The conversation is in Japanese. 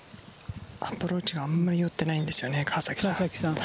アプローチがあまり寄ってないんですよね。